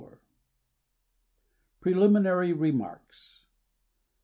PRELIMINARY REMARKS.